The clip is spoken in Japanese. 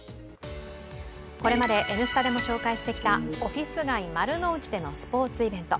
これまで「Ｎスタ」でも紹介してきたオフィス街・丸の内でのスポーツイベント。